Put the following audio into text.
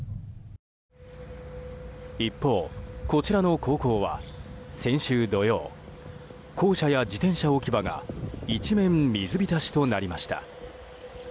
一方、こちらの高校は先週土曜校舎や自転車置き場が一面、水浸しとなりました。